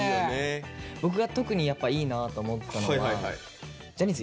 僕が特にやっぱいいなと思ったのがジャニーズ